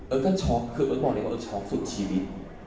เอิ๊กก็ช็อคคือเอิ๊กบอกเลยว่าเอิ๊กช็อคสุดชีวิต